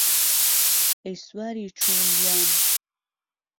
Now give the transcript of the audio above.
ئهی سواری چوڵييان